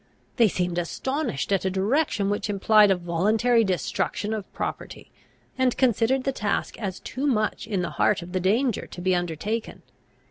They seemed astonished at a direction which implied a voluntary destruction of property, and considered the task as too much in the heart of the danger to be undertaken.